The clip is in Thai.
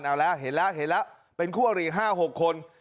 เอาแล้วเห็นแล้วเห็นแล้วเป็นคู่อริ๕๖คน